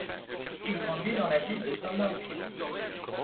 Il grandit dans la ville de Somerville.